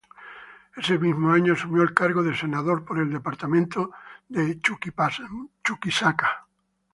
Ese mismo año asumió el cargo de senador por el departamento de Chuquisaca.